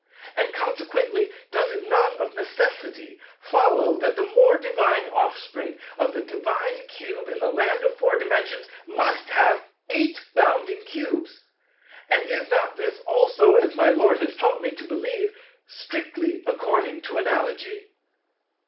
And consequently does it not of necessity follow that the more divine offspring of the divine Cube in the Land of Four Dimensions, must have 8 bounding Cubes: and is not this also, as my Lord has taught me to believe, "strictly according to Analogy"?